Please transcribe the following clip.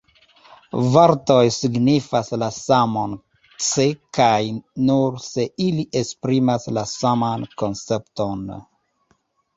Vortoj signifas la samon se kaj nur se ili esprimas la saman koncepton.